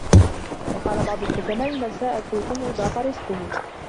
وَقَالَ بَعْضُ الْحُكَمَاءِ مَنْ سَاءَ خُلُقُهُ ضَاقَ رِزْقُهُ